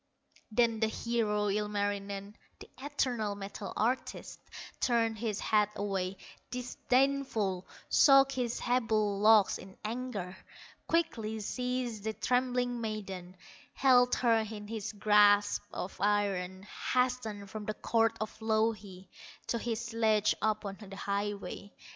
Then the hero, Ilmarinen, The eternal metal artist, Turned his head away, disdainful, Shook his sable locks in anger, Quickly seized the trembling maiden, Held her in his grasp of iron, Hastened from the court of Louhi, To his sledge upon the highway.